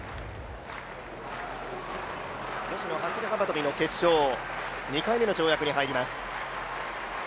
女子の走幅跳の決勝、２回目の跳躍に入ります。